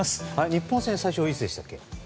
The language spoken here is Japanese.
日本戦は最初いつでしたっけ。